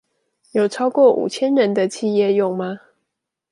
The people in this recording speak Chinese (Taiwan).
有超過五千人的企業用嗎？